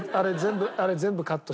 あれ全部カットしてくれる？